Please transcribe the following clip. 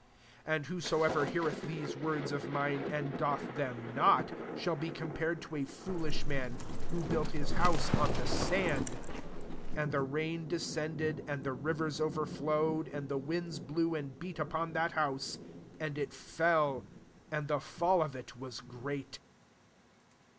26 And whosoever heareth these words of mine, SDd, doth them not, shall be compared to a foolish man, who built his house on the sand : 27 and the rain descended, and the nrers overflowed, and the winds blew, and beat upon that house ; attd it fell, and the fall of it wa& fceat" 2^ And.